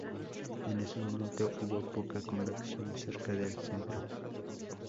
En ese momento, hubo poca convección cerca del centro.